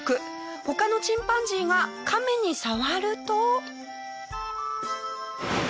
他のチンパンジーがカメに触ると。